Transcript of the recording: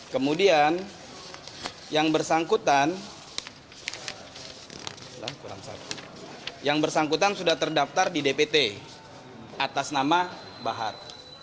kemudian yang bersangkutan sudah terdaftar di dpt atas nama bahar